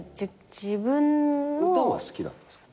歌は好きだったんですか？